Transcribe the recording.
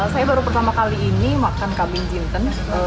saya baru pertama kali ini makan kabin jinten